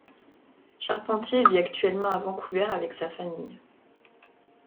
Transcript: Charpentier vit actuellement à Vancouver avec sa famille.